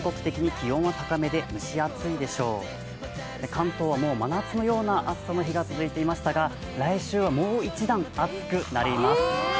関東はもう真夏のような暑さの日が続いていましたが来週はもう一段暑くなります。